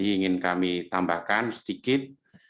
ingin kami tambahkan sedikit